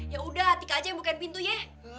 ya udah atika aja yang bukain pintu ye